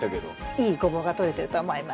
いいゴボウがとれてると思います。